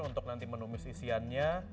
untuk nanti menumis isiannya